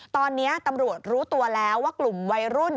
ตอนนี้ตำรวจรู้ตัวแล้วว่ากลุ่มวัยรุ่น